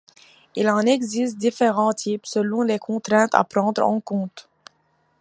Il en existe différents types selon les contraintes à prendre en compte.